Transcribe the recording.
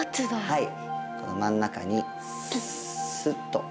はい。